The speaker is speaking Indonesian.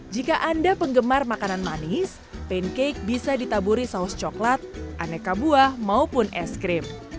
jika anda penggemar makanan manis pancake bisa ditaburi saus coklat aneka buah maupun es krim